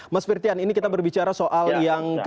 mas firtian ini kita berbicara soal yang